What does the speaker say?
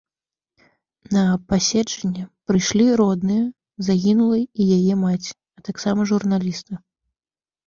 На паседжанне прыйшлі родныя загінулай і яе маці, а таксама журналісты.